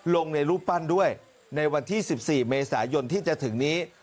ลงในรูปปั้นด้วยในวันที่๑๔เมษายนที่จะถึงนี้